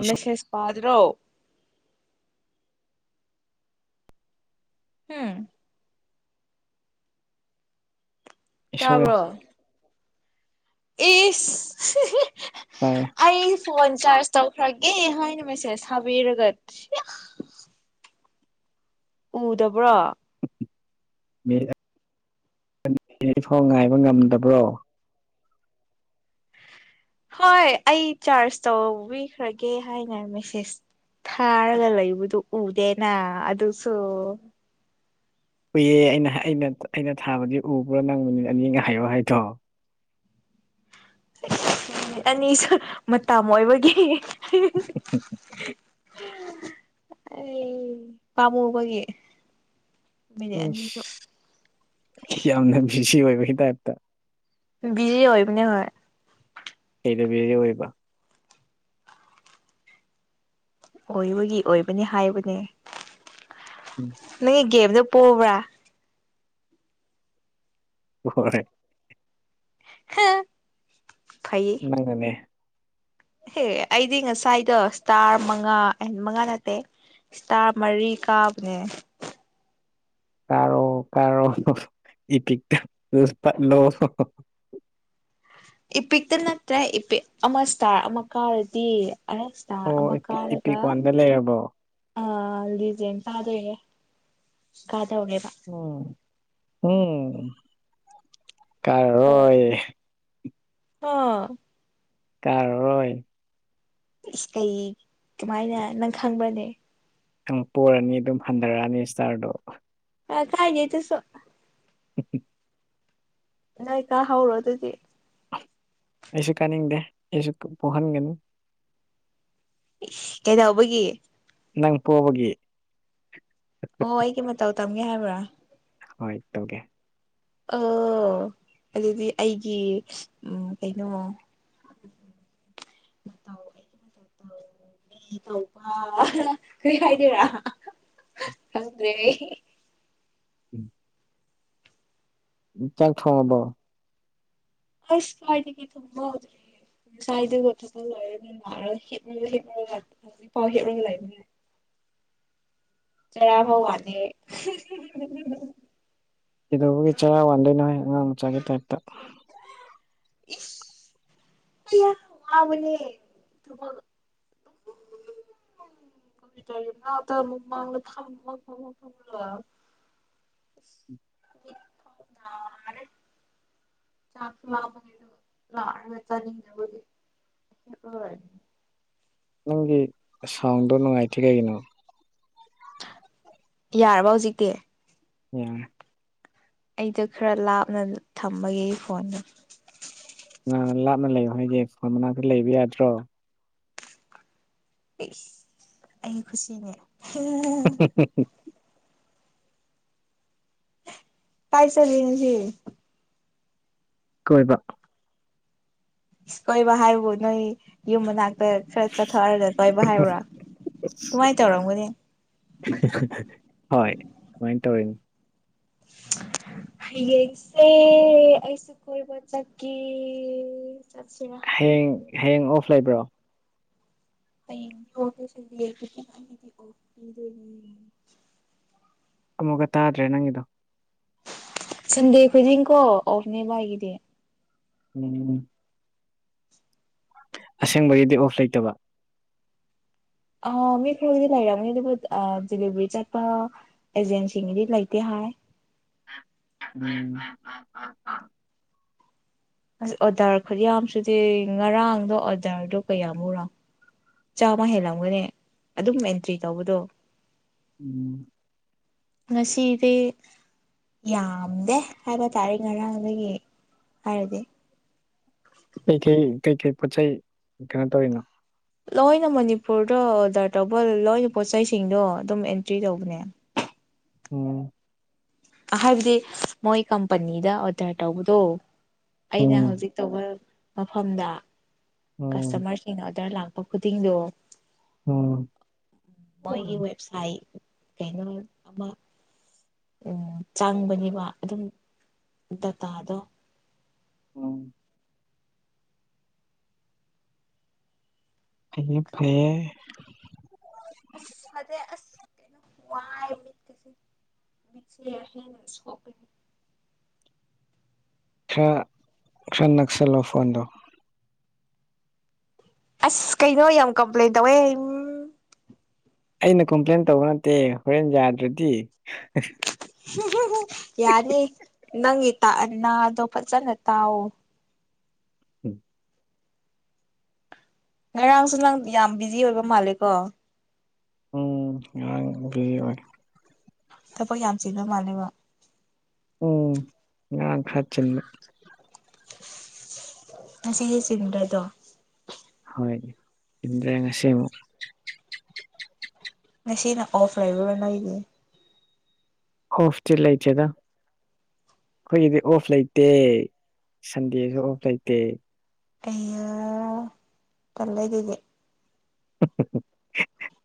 ꯏꯁꯧ ꯃꯦꯁꯦꯁ ꯄꯥꯗ꯭ꯔꯣ ꯍꯨꯝ ꯏꯁꯧ ꯌꯥꯝ ꯇꯥꯕ꯭ꯔꯣ ꯏꯁ ꯇꯥꯏ ꯑꯩꯁ ꯐꯣꯟ ꯆꯥꯔꯖ ꯇꯧꯈ꯭ꯔꯒꯦ ꯍꯥꯏꯅ ꯃꯦꯁꯦꯁ ꯊꯥꯕꯤꯔꯒ ꯎꯗꯕ꯭ꯔꯣ [unintelligible] ꯐꯥꯎ ꯉꯥꯏꯕ ꯉꯝꯗꯕ꯭ꯔꯣ ꯍꯣꯏ ꯑꯩ ꯆꯥꯔꯖ ꯇꯧꯕꯤꯈ꯭ꯔꯒꯦ ꯍꯥꯏꯅ ꯃꯦꯁꯦꯁ ꯊꯥꯔꯒ ꯂꯩꯕꯗꯨ ꯎꯗꯦꯅ ꯑꯗꯨꯁꯨ ꯎꯏꯌꯦ ꯑꯩꯅ ꯑꯩꯅ ꯑꯩꯅ ꯊꯥꯕꯗꯤ ꯎꯕ꯭ꯔꯣ ꯅꯪ ꯃꯤꯅꯤꯠ ꯑꯅꯤꯒ ꯍꯥꯏꯌꯣ ꯍꯥꯏꯗꯣ ꯑꯅꯤꯁꯨ ꯃꯇꯥꯝ ꯑꯣꯏꯕꯒꯤ ꯑꯩꯏ ꯄꯝꯃꯨꯕꯒꯤ ꯌꯥꯝꯅ ꯕꯤꯖꯤ ꯑꯣꯏꯕꯒꯤ ꯇꯥꯏꯞꯇ ꯕꯤꯖꯤ ꯑꯣꯏꯕꯅꯦ ꯍꯣꯏ ꯀꯩꯗꯕꯤꯖꯤ ꯑꯣꯏꯔꯤꯕ ꯑꯣꯏꯕꯒꯤ ꯑꯣꯏꯕꯅꯦ ꯍꯥꯏꯕꯅꯦ ꯅꯪꯒꯤ ꯒꯦꯝꯗꯣ ꯄꯣꯕ꯭ꯔꯥ ꯍꯣꯏ ꯍ ꯐꯩꯌꯦ ꯅꯪꯅꯅꯦ ꯍꯦ ꯑꯩꯗꯤ ꯉꯁꯥꯏꯗꯣ ꯏꯁꯇꯥꯔ ꯃꯉꯥ ꯑꯦꯟ ꯃꯉꯥ ꯅꯠꯇꯦ ꯏꯁꯇꯥꯔ ꯃꯔꯤ ꯀꯥꯕꯅꯦ ꯀꯥꯔꯣ ꯀꯥꯔꯣ ꯏꯄꯤꯛꯇ ꯔꯨꯁ ꯄꯠꯂꯣ ꯏꯄꯤꯛꯇ ꯅꯠꯇ꯭ꯔꯦ ꯏꯄꯤꯛ ꯑꯃ ꯏꯁꯇꯥꯔ ꯑꯃ ꯀꯥꯔꯗꯤ ꯑꯁ ꯑꯣ ꯏꯄꯤꯛ ꯏꯄꯤꯛ ꯋꯥꯟꯗ ꯂꯩꯔꯕꯣ ꯑꯥ ꯂꯤꯖꯦꯟ ꯆꯥꯗꯣꯏꯔꯦ ꯀꯥꯗꯧꯔꯦꯕ ꯎꯝ [unintelligible] ꯀꯥꯔꯔꯣꯏ ꯍꯥ ꯀꯥꯔꯔꯣꯏ ꯏꯁ ꯀꯩ ꯀꯃꯥꯏꯅ ꯅꯪ ꯈꯪꯕ꯭ꯔꯅꯦ ꯅꯪ ꯄꯣꯔꯅꯤ ꯑꯗꯨꯝ ꯍꯟꯗꯔꯛꯑꯅꯤ ꯏꯁꯇꯥꯔꯗꯣ ꯑ ꯀꯥꯏꯗꯦ ꯑꯗꯨꯁꯨ [inaudible] ꯅꯣꯏ ꯀꯥꯍꯧꯔꯣ ꯑꯗꯨꯗꯤ ꯑꯩꯁꯨ ꯀꯥꯅꯤꯡꯗꯦ ꯑꯩꯁꯨ ꯄꯣ ꯄꯣꯍꯟꯒꯅꯨ ꯏꯁ ꯀꯩꯗꯧꯕꯒꯤ ꯅꯪ ꯄꯣꯕꯒꯤ ꯑꯣ ꯑꯩꯒꯤ ꯃꯇꯧ ꯇꯝꯒꯦ ꯍꯥꯏꯕ꯭ꯔꯥ ꯍꯣꯏ ꯇꯧꯒꯦ ꯑꯣ ꯑꯗꯨꯗꯤ ꯑꯩꯒꯤ ꯎꯝ ꯀꯩꯅꯣ [inaudible] [unintelligible] ꯅꯤ ꯇꯧꯕ ꯀꯩꯍꯥꯏꯗꯣꯏꯔ ꯈꯪꯗ꯭ꯔꯦ ꯑꯩ [inaudible] ꯆꯥꯛ ꯊꯣꯡꯉꯕꯣ ꯑꯁ ꯀꯥꯏꯗꯒꯤ ꯊꯣꯡꯕ ꯍꯧꯗ꯭ꯔꯤ ꯉꯁꯥꯏꯗꯒꯤ ꯊꯕꯛ ꯂꯣꯏꯔꯅꯤꯅꯔ ꯍꯤꯞꯔꯒ ꯍꯤꯞꯔꯒ ꯍꯧꯖꯤꯛꯐꯥꯎ ꯍꯤꯞꯔꯒ ꯂꯩꯕꯅꯦ [inaudible] ꯆꯔꯥꯐꯥꯎ ꯋꯥꯠꯅꯦ ꯀꯩꯗꯧꯕꯒꯤ ꯆꯔꯥ ꯋꯥꯟꯗꯣꯏꯅꯣꯍꯦ ꯑꯉꯥꯡ ꯃꯆꯥꯒꯤ ꯇꯥꯏꯞꯇ ꯏꯁ ꯃꯌꯥꯝ ꯋꯕꯅꯦ ꯊꯕꯛ [unintelligible] [unintelligible] ꯆꯥꯛꯁꯨ ꯂꯥꯝꯕꯒꯤꯖꯨ ꯂꯥꯔꯒ ꯆꯥꯅꯤꯡꯗꯕꯒꯤ [unintelligible] ꯅꯪꯒꯤ ꯁꯥꯎꯟꯗꯣ ꯅꯨꯡꯉꯥꯏꯇ꯭ꯔꯤ ꯀꯩꯒꯤꯅꯣ ꯌꯥꯔꯕ‌ꯣ ꯍꯧꯖꯤꯛꯇꯤ ꯌꯥꯔꯦ ꯑꯩ ꯆꯠꯈ꯭ꯔꯥ ꯂꯥꯞꯅ ꯊꯝꯕꯒꯤ ꯐꯣꯟꯗꯣ ꯀꯅꯥꯅ ꯂꯥꯞꯅ ꯂꯩꯌꯣ ꯍꯥꯏꯗꯦ ꯐꯣꯟ ꯃꯅꯥꯛꯇ ꯂꯩꯕ ꯌꯥꯗ꯭ꯔꯣ ꯏꯁ ꯑꯩ ꯀꯨꯁꯤꯅꯦ [unintelligible] ꯀꯥꯏ ꯆꯠꯂꯤꯅ‌ꯣ ꯉꯁꯤ ꯀꯣꯏꯕ ꯏꯁ ꯀꯣꯏꯕ ꯍꯥꯏꯕꯨ ꯅꯣꯏ ꯌꯨꯝ ꯃꯅꯥꯛ ꯇ ꯈꯔ ꯆꯠꯊꯣꯛ ꯍꯥꯏꯔ ꯀꯣꯏꯕ ꯍꯥꯏꯕ꯭ꯔꯥ ꯗꯨꯃꯥꯏ ꯇꯧꯔꯝꯒꯅꯤ ꯍꯣꯏ ꯗꯨꯃꯥꯏ ꯇꯧꯔꯤꯅꯤ ꯍꯌꯦꯡꯁꯦ ꯑꯩꯁꯨ ꯀꯣꯏꯕ ꯆꯠꯀꯦ ꯀ‌ꯦ ꯆꯠꯁꯤꯔꯥ ꯍꯌꯦꯡ ꯍꯌꯦꯡ ꯑꯣꯐ ꯂꯩꯕ꯭ꯔꯣ [unintelligible] ꯑꯃꯨꯛꯀ ꯇꯥꯗ꯭ꯔꯦ ꯅꯪꯒꯤꯗꯣ ꯁꯟꯗꯦ ꯈꯨꯗꯤꯡꯀꯣ ꯑꯣꯐꯅꯦꯕ ꯑꯩꯒꯤꯗꯤ ꯎꯝ ꯑꯁꯦꯡꯕꯒꯤꯗꯤ ꯑꯣꯐ ꯂꯩꯇꯕ ꯑ ꯃꯤ ꯈꯔꯒꯤꯗꯤ ꯂꯩꯔꯝꯅꯤ ꯑꯗꯨꯕꯨ ꯑꯥ ꯗꯤꯂꯤꯕ꯭ꯔꯤ ꯆꯠꯄ ꯑꯦꯖꯦꯟꯁꯤꯡꯒꯤꯗꯤ ꯂꯩꯇꯦ ꯍꯥꯏ ꯎꯝ ꯑꯁ ꯑꯣꯔꯗ꯭ꯔ ꯈꯨꯠꯌꯥꯝꯁꯤꯗꯤ ꯉꯔꯥꯡꯗꯣ ꯑꯣꯔꯗ꯭ꯔꯗꯣ ꯀꯌꯥꯃꯨꯛꯔꯥ ꯆꯥꯝꯃ ꯍꯦꯜꯂꯝꯒꯅꯤ ꯑꯗꯨꯝ ꯑꯦꯟꯇ꯭ꯔꯤ ꯇꯧꯕꯗꯣ ꯎꯝ ꯉꯁꯤꯗꯤ ꯌꯥꯝꯗꯦ ꯍꯥꯏꯕ ꯇꯥꯔꯦ ꯉꯔꯥꯡꯗꯒꯤ ꯍꯥꯏꯔꯗꯤ ꯀꯩ ꯀꯩ ꯀꯩꯀꯩ ꯄꯣꯠ ꯆꯩ ꯀꯩꯅꯣ ꯇꯧꯔꯤꯅꯣ ꯂꯣꯏꯅ ꯃꯅꯤꯄꯨꯔꯗ ꯑꯣꯗ꯭ꯔ ꯇꯧꯕ ꯂꯣꯏꯅ ꯄꯣꯠ ꯆꯩꯁꯤꯡꯗꯣ ꯑꯗꯨꯝ ꯑꯦꯟꯇ꯭ꯔꯤ ꯇꯧꯕꯅꯦ ꯎꯝ ꯍꯥꯏꯕꯗꯤ ꯃꯣꯏ ꯀꯝꯄꯅꯤꯗ ꯑꯣꯗ꯭ꯔ ꯇꯧꯕꯗꯣ ꯑꯩꯅ ꯎꯝ ꯍꯧꯖꯤꯛ ꯇꯧꯕ ꯃꯐꯝꯗ ꯎꯝ ꯀꯁꯇꯃ꯭ꯔꯁꯤꯡꯅ ꯑꯣꯗ꯭ꯔ ꯂꯥꯛ ꯄ ꯈꯨꯗꯤꯡꯗꯣ ꯎꯝ ꯃꯣꯏꯒꯤ ꯋꯦꯕꯁꯥꯏꯠ ꯀꯩꯅꯣ ꯑꯃ ꯎꯝ ꯆꯪꯕꯅꯦꯕ ꯑꯗꯨꯝ ꯗꯥꯇꯥꯗꯣ ꯎꯝ ꯑꯩꯗꯤ ꯐꯩꯌ‌ꯦ ꯑꯁ ꯐꯗꯦ ꯑꯁ ꯀꯩꯅ‌ꯣꯝ ꯋꯥꯏ ꯃꯤꯠꯁꯤꯁꯨ ꯃꯤꯠꯁ‌ꯦ ꯑꯍꯤꯡ ꯁꯣꯛꯄꯩ ꯈꯔ ꯈꯔ ꯅꯛꯁꯜꯂꯣ ꯐꯣꯟꯗꯣ ꯑꯁ ꯀꯩꯅꯣ ꯌꯥꯝ ꯀꯝꯄ꯭ꯂꯦꯟ ꯇꯧꯋꯦ ꯎꯝ ꯑꯩꯅ ꯀꯝꯄ꯭ꯂꯦꯟ ꯇꯧꯕ ꯅꯠꯇꯦ ꯍꯣꯔꯦꯟ ꯌꯥꯗ꯭ꯔꯥꯗꯤ ꯌꯥꯅꯤ ꯅꯪꯒꯤ ꯇꯥꯛ ꯑ ꯅꯥꯗꯣ ꯐꯖꯅ ꯇꯥꯎꯋ‌ꯣ ꯎꯝ ꯉꯔꯥꯡꯁꯨ ꯅꯪ ꯌꯥꯝ ꯕꯤꯖꯤ ꯑꯣꯏꯕ ꯃꯥꯜꯂꯦ ꯀꯣ ꯎꯝ ꯉꯔꯥꯡꯒꯤ ꯋꯅꯤ ꯊꯕꯛ ꯌꯥꯝ ꯆꯤꯕ ꯃꯥꯜꯂꯦꯕ ꯎꯝ ꯉꯔꯥꯡ ꯈꯔ ꯆꯤꯟꯕ ꯉ ꯁꯤꯒꯤꯁꯤꯟꯗ꯭ꯔꯦꯗꯣ ꯍꯣꯏ ꯏꯟꯗ꯭ꯔꯦ ꯉꯁꯤ ꯑꯃꯨꯛ ꯉꯁꯤꯅ ꯑꯣꯐ ꯂꯥꯏꯕ ꯅꯣꯏꯒꯤ ꯑꯣꯐꯇꯤ ꯂꯩꯇꯦꯗ ꯑꯩꯈꯣꯏꯒꯤꯗꯤ ꯑꯣꯐ ꯂꯩꯇꯦ ꯁꯟꯗꯦꯁꯨ ꯑꯣꯐ ꯂꯩꯇꯦ [unintelligible] ꯇꯟꯂꯦ ꯑꯗꯨꯗꯤ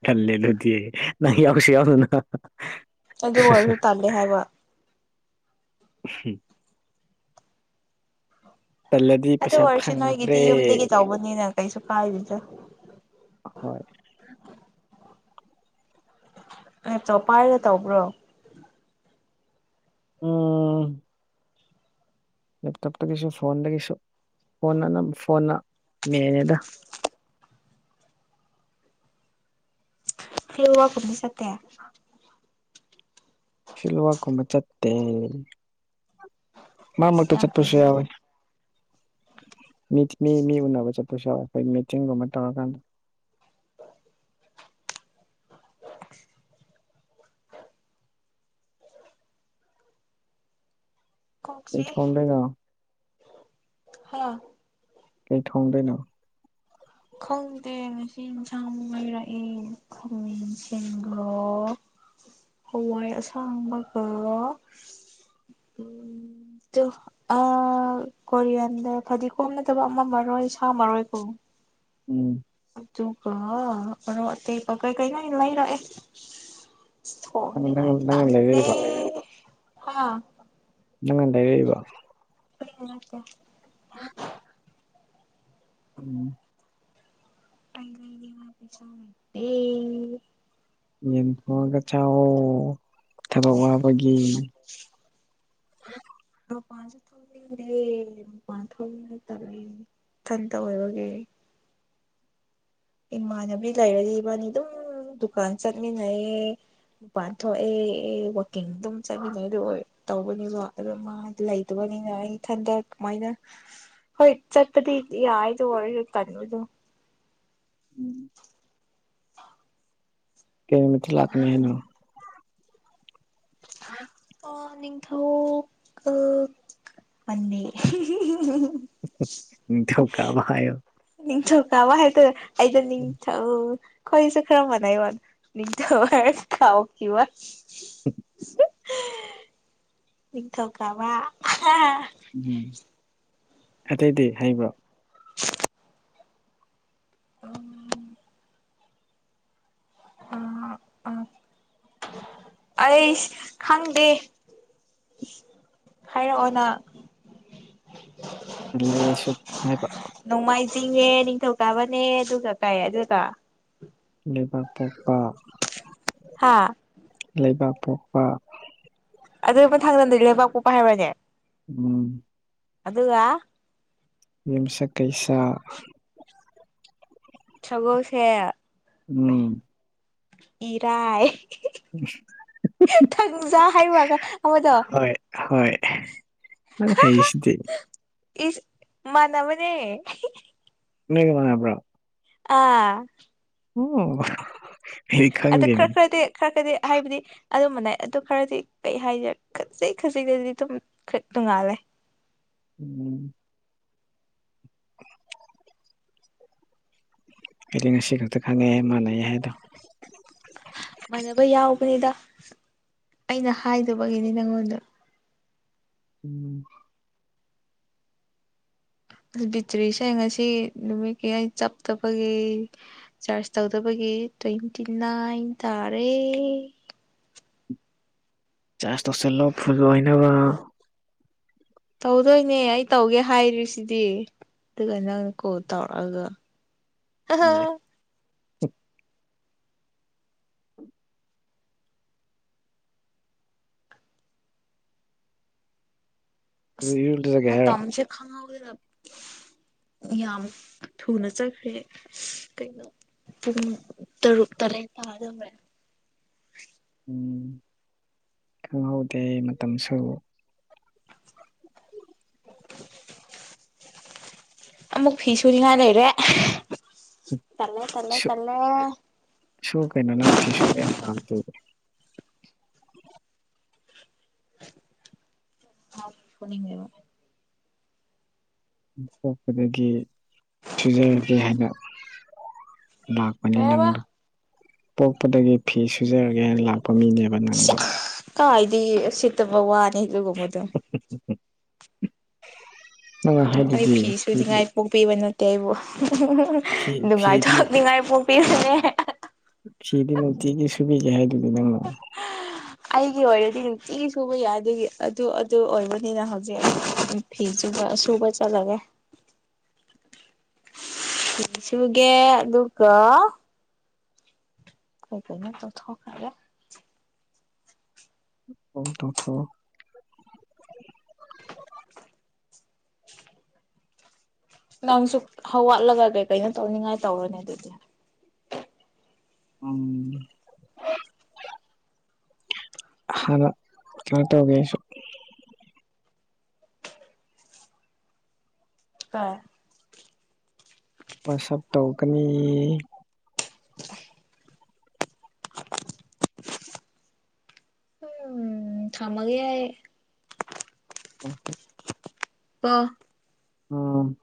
ꯇꯟꯂꯦ ꯑꯗꯨꯗꯤ ꯪ ꯌꯥꯎꯁꯤ [unintelligible] ꯑꯗꯨ ꯑꯣꯏꯔꯁꯨ ꯇꯥꯜꯂꯦ ꯍꯥꯏꯕ ꯎ ꯇꯂꯦ ꯑꯗꯨ ꯑꯣꯏꯔꯁꯨ ꯅꯣꯏꯒꯤꯗꯤ ꯌꯨꯝꯗꯒꯤ ꯇꯧꯕꯅꯤꯅ ꯀꯩꯁꯨ ꯀꯥꯏꯔꯤꯗ ꯍꯣꯏ ꯑꯦ ꯇꯣꯞ ꯄꯥꯏꯔꯒ ꯇꯧꯕ꯭ꯔꯣ ꯎꯝ ꯂꯦꯞꯇꯣꯞꯇꯒꯤꯁꯨ ꯐꯣꯟꯗꯒꯤꯁꯨ ꯐꯣꯟꯅꯅꯝ ꯐꯣꯟꯅ ꯃꯦꯜꯂꯦꯗ ꯐ ꯋꯥ ꯈꯨꯨꯝꯅꯤ ꯆꯠꯇꯦ ꯁꯤꯜꯋꯥꯛ ꯀꯨꯝꯕ ꯆꯠꯇꯦ ꯃꯥꯃꯛꯇ ꯏꯁ ꯌꯥꯝ ꯆꯠꯄꯁꯨ ꯌꯥꯎꯋꯦ ꯐꯩꯅꯦ ꯃꯤ ꯃꯤ ꯃꯤ ꯎꯅꯕ ꯆꯠꯄꯁꯨ ꯌꯧꯋꯦ ꯑꯩꯈꯣꯏ ꯃꯤꯇꯤꯡꯒꯨꯝꯕ ꯇꯧꯔꯀꯥꯟꯗ [inaudible] ꯀꯣꯛ ꯀꯩ ꯆꯤꯛꯑꯦ ꯊꯣꯡꯗꯣꯏꯅꯣ ꯍꯥ ꯀ ꯊꯣꯡꯗꯅꯣ ꯈꯪꯗꯦ ꯉꯁꯤ ꯏꯟꯁꯥꯡ ꯂꯩꯔꯛꯑꯦ [unintelligible] ꯁꯦꯡꯒꯔꯣ ꯍꯋꯥꯏ ꯑꯁꯥꯡꯕꯒ ꯎꯝ [unintelligible] ꯑ ꯀꯣꯔꯤꯌꯥꯟꯗ ꯐꯗꯤꯒꯣꯝ ꯅꯠꯇꯕ ꯑꯃ ꯃꯔꯣꯏ ꯁꯥꯃꯔꯣꯏꯀꯨꯝ ꯎꯝ ꯑꯗꯨꯒ ꯑꯔꯣꯛ ꯑꯇꯦꯡꯄ ꯀꯩ ꯀꯩ [unintelligible] ꯃꯩ ꯂꯥꯛꯑꯦ ꯅꯪ ꯅꯪ ꯊꯣꯡꯅꯤꯡꯉꯥꯏ ꯅꯪꯅ ꯇꯜꯂꯤ ꯂꯩꯔꯛꯏꯕ ꯍꯥ ꯅꯪꯅ ꯂꯩꯔꯛꯢꯕ ꯑꯩꯅ ꯅꯠꯇꯦ [inaudible] [inaudible] [inaudible] ꯇꯦ ꯌꯦꯟ ꯊꯣꯛꯉꯥꯒ ꯆꯥꯋꯣ ꯊꯕꯛ ꯋꯥꯕꯒꯤ [inaudible] ꯃꯄꯥꯟꯁꯨ ꯊꯣꯛꯅꯤꯡꯗꯦ ꯃꯄꯥꯟ ꯊꯣꯛꯄ ꯇꯜꯂꯦ ꯏꯊꯟꯇ ꯑꯣꯏꯕꯒꯤ ꯏꯃꯥꯟꯅꯕꯤ ꯂꯩꯔꯗꯤ ꯏꯕꯥꯅꯤ ꯑꯗꯨꯝ ꯗꯨꯀꯥꯟ ꯆꯠꯃꯤꯟꯅꯩꯌꯦ ꯃꯄꯥꯟ ꯊꯣꯛꯑꯦ ꯋꯥꯛꯀꯤꯡ ꯑꯗꯨꯝ ꯆꯥꯃꯤꯟ [unintelligible] ꯇꯧꯕꯅꯤꯕ ꯑꯗꯨ ꯃꯥ ꯂꯩꯇꯕꯅꯤꯅ ꯑꯩ ꯏꯊꯟꯇ ꯀꯃꯥꯏꯅ ꯍꯣꯏ ꯆꯠꯄꯗꯤ ꯌꯥꯏ ꯑꯗꯨ ꯑꯣꯏꯔꯁꯨ ꯇꯟꯕꯗꯨ ꯎꯝ ꯀꯩ ꯅꯨꯃꯤꯠꯇ ꯂꯥꯛꯀꯅꯤ ꯍꯥꯏꯅꯣ [inaudible] ꯍꯣ ꯅꯤꯡꯊꯧ ꯀꯜ ꯄꯥꯅꯦ ꯅꯤꯡꯊꯧꯀꯥꯕ ꯍꯥꯏꯌꯣ ꯅꯤꯡꯊꯧꯀꯥꯕ ꯍꯥꯏꯗꯨ ꯑꯩꯗꯨ ꯅꯤꯡꯊꯧ ꯈꯣꯏ ꯅꯤꯁꯨ ꯈꯔ ꯃꯥꯟꯅꯩꯕ ꯅꯤꯡꯊꯧ ꯍꯥꯏꯔ ꯀꯥꯎꯈꯤꯕ [inaudible] ꯅꯤꯡꯊꯧꯀꯥꯕ ꯎꯝ ꯑꯇꯩꯗꯤ ꯍꯩꯕ꯭ꯔꯣ [inaudible] ꯎꯝ ꯑ ꯑ ꯑꯩꯁ ꯈꯪꯗꯦ ꯍꯥꯏꯔꯛꯑꯣ ꯅꯪ ꯂꯦ ꯁꯨ ꯍꯥꯏꯕ ꯅꯣꯡꯃꯥꯏꯆꯤꯡꯅꯦ ꯅꯤꯡꯊꯧꯀꯥꯕꯅꯦ ꯑꯗꯨꯒ ꯀꯩ ꯑꯗꯨꯒ ꯂꯩꯕꯥꯛꯄꯣꯛꯄ ꯍꯥ ꯂꯩꯕꯥꯛꯄꯣꯛꯄ ꯑꯗꯨꯏ ꯃꯊꯪ ꯗꯥꯗꯤ ꯂꯩꯕꯥꯛꯄꯣꯛꯄ ꯍꯥꯏꯕ꯭ꯔꯅꯦ ꯎꯝ ꯑꯗꯨꯒ ꯌꯨꯝꯁꯀꯩꯁ ꯁꯒꯣꯜꯁꯦꯜ ꯎꯝ ꯏꯔꯥꯏ [unintelligible] ꯊꯥꯡꯖꯥ ꯍꯥꯏꯕ꯭ꯔꯒ ꯑꯃꯗꯣ ꯍꯣꯏ ꯍꯣꯢ ꯅꯪ ꯍꯩꯁꯤꯗꯤ ꯏꯁ ꯃꯥꯟꯅꯕꯅꯦ ꯅꯣꯏꯒ ꯃꯥꯟꯅꯕꯔꯣ ꯑꯥ ꯍꯣ ꯑꯗꯨ ꯈ꯭ꯔ-ꯈ꯭ꯔꯗꯦ ꯈꯔ ꯈꯔꯗꯤ ꯍꯥꯏꯕꯗꯤ ꯑꯗꯨꯝꯕꯅꯦ ꯑꯗꯨ ꯈꯔꯗꯤ ꯀꯩ ꯍꯥꯏꯒꯦ ꯈꯖꯤꯛ ꯈꯖꯤꯛꯗꯗꯤ ꯑꯗꯨꯝ ꯈꯔ ꯇꯨꯡꯉꯥꯜꯂꯦ ꯎꯝ [inaudible] ꯑꯩꯗꯤ ꯉꯁꯤ ꯈꯛꯇ ꯈꯪꯉꯩ ꯃꯥꯟ ꯍꯥꯏꯗꯣ ꯃꯥꯟꯅꯕ ꯌꯥꯎꯕꯅꯤꯗ ꯑꯩꯅ ꯍꯥꯏꯗꯕꯒꯤꯅꯤ ꯅꯪꯉꯣꯟꯗ ꯎꯝ ꯑꯁ ꯕꯤꯇ꯭ꯔꯤ ꯁ ꯉꯁꯤ ꯅꯨꯃꯤꯠ ꯀꯌꯥ ꯆꯞꯇꯕꯒꯤ ꯆꯥꯔꯁ ꯇꯧꯗꯕꯒꯤ ꯇ꯭ꯋꯦꯟꯇꯤ ꯅꯥꯏꯟ ꯇꯥꯔꯦ ꯆꯥꯔꯖ ꯇꯧꯁꯤꯜꯂꯣ ꯐꯨꯜ ꯑꯣꯏꯅꯕ ꯇꯧꯗꯣꯏꯅꯦ ꯑꯩ ꯇꯧꯒꯦ ꯍꯥꯏꯔꯤꯁꯤꯗꯤ ꯑꯗꯨ ꯅꯪ ꯀꯣꯜ ꯇꯧꯔꯛ ꯑꯥꯒ ꯑꯦ ꯑꯁ ꯏꯔꯨ ꯂꯨꯖꯒꯦ ꯍꯥꯏꯔꯣ ꯃꯥꯇꯝ ꯁꯦ ꯈꯪꯍꯧꯗꯦꯗꯥ ꯌꯥꯝ ꯊꯨꯅ ꯆꯠꯈ꯭ꯔꯦ ꯀꯩꯅꯣ ꯄꯨꯡ ꯇꯔꯨꯛ ꯇꯔꯦꯠ ꯇꯥꯗꯧꯔꯦ꯫ ꯎꯝ ꯈꯪꯍꯧꯗꯦ ꯃꯇꯝꯁꯨ꯫ ꯑꯃꯨꯛ ꯐꯤ ꯁꯨꯔꯤꯉꯥꯏ ꯂꯩꯔꯦ꯫ ꯇꯜꯂꯦ ꯇꯜꯂꯦ ꯁꯨ ꯇꯜꯂꯦ꯫ ꯁꯨ ꯀꯩꯅꯣ ꯅꯪ ꯐꯤꯁꯨ ꯌꯥꯝ ꯄꯥꯝ [unintelligible] ꯑ ꯐꯨꯅꯤꯡꯉꯦꯕ ꯄꯣꯛꯄꯗꯒꯤ ꯁꯨꯖꯔꯒꯦ ꯍꯥꯏꯅ꯫ ꯂꯥꯛꯄꯅꯦ ꯀꯩ ꯍꯥꯏꯕ ꯅꯪꯗ ꯄꯣꯛꯄꯗꯒꯤ ꯐꯤ ꯁꯨꯖꯔꯒꯦꯅ ꯂꯥꯛꯄ ꯂꯥꯛꯄ ꯃꯤꯅꯦꯕ ꯅꯪꯗꯣ꯫ ꯀꯥꯏꯗꯤ ꯑꯨꯁꯤꯠꯇꯕ ꯋꯥꯅꯤ ꯑꯗꯨꯒꯨꯝꯕꯗꯣ꯫ ꯎꯝ ꯎꯝ ꯅꯣꯏ ꯑꯩ ꯍꯥꯏꯕꯗꯤ ꯐꯤ ꯁꯨꯅꯤꯡꯉꯥꯏ ꯄꯣꯛꯄꯤꯕ ꯅꯠꯇꯦ ꯑꯩꯕꯨ ꯐꯤ ꯐꯤꯗꯤ ꯅꯨꯡꯉꯥꯏꯊꯣꯛꯅꯤꯡꯉꯥꯏ ꯄꯣꯛꯄꯤꯕꯅꯦ ꯐꯤꯗꯤ ꯅꯨꯡꯇꯤꯒꯤ ꯁꯨꯕꯤꯒꯦ ꯍꯥꯏꯗꯨꯗꯤ ꯅꯪ [inaudible] ꯑꯩꯒꯤ ꯑꯣꯏꯔꯗꯤ ꯅꯨꯡꯇꯤ ꯁꯨꯕ ꯌꯥꯏ ꯑꯗꯨꯒꯤ ꯑꯗꯨ ꯑꯗꯨ ꯑꯣꯏꯕꯅꯤꯅ ꯍꯧꯖꯤꯛ ꯐꯤꯁꯨꯕ ꯁꯨꯕ ꯆꯠꯂꯒꯦ꯫ [inaudible] ꯁꯨꯒꯦ ꯑꯗꯨꯒ ꯑꯩ ꯀꯩꯅꯣꯝ ꯇꯧꯊꯣꯛ ꯈꯔꯒꯦ ꯑꯣ ꯇꯣꯛꯊꯣꯎ꯫ ꯅꯪꯁꯨ ꯍꯧꯒꯠꯂꯒ ꯀꯩ ꯀꯩꯅꯣ ꯇꯧꯅꯤꯡꯉꯥꯏ ꯇꯧꯔꯅꯦ ꯑꯗꯨꯗꯤ꯫ ꯎꯝ꯫ ꯍꯥꯟꯅ ꯀꯩꯅꯣ ꯇꯩꯒꯦ ꯑꯩꯁꯨ꯫ ꯑꯥ꯫ ꯍꯣꯏ ꯁꯞ ꯇꯧꯒꯅꯤ꯫ ꯎꯝ ꯊꯝꯃꯒꯦ ꯑꯩ꯫ ꯎꯝ꯫ ꯑꯣ꯫ ꯎꯝ꯫